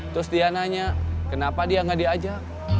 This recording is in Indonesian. terus dia nanya kenapa dia nggak diajak